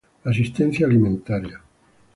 Asistencia alimentaria